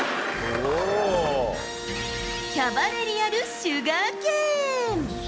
キャバレリアル・シュガーケーン。